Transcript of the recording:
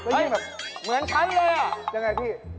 แล้วยิ่งแบบอย่างไรพี่มันเหมือนฉันเลย